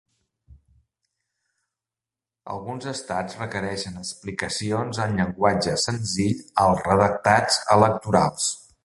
Alguns estats requereixen explicacions en llenguatge senzill als redactats electorals.